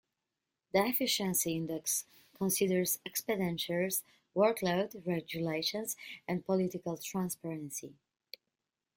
The efficiency index considers expenditures, workload regulations and political transparency.